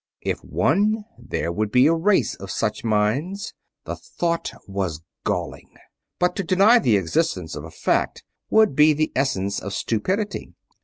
If one, there would be a race of such minds. The thought was galling; but to deny the existence of a fact would be the essence of stupidity.